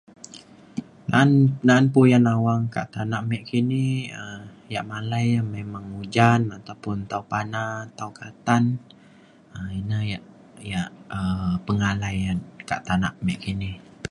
nan na'an puyan awang ka tana me kini um ia' malai memang ujan ataupun tau pana tau katan um ina ia' ia' um pengalai ia' ka tanak me kini